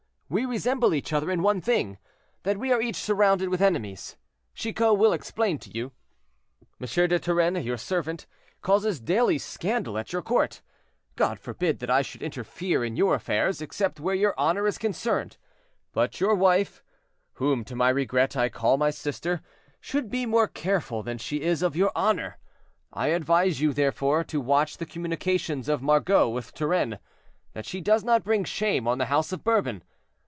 We resemble each other in one thing, that we are each surrounded with enemies. Chicot will explain to you. "'M. de Turenne, your servant, causes daily scandal at your court; God forbid that I should interfere in your affairs, except where your honor is concerned; but your wife, whom to my regret I call my sister, should be more careful than she is of your honor. I advise you, therefore, to watch the communications of Margot with Turenne, that she does not bring shame on the house of Bourbon.